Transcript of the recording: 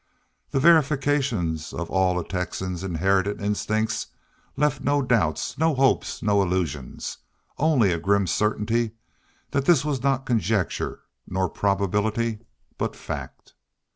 The verifications of all a Texan's inherited instincts left no doubts, no hopes, no illusions only a grim certainty that this was not conjecture nor probability, but fact.